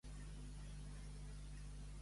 Sense amor no es viu.